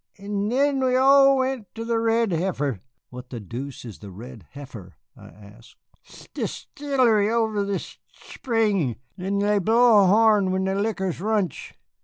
'N'then we all went to the Red Heifer " "What the deuce is the Red Heifer?" I asked. "'N'dishtillery over a shpring, 'n'they blow a horn when the liquor runsh.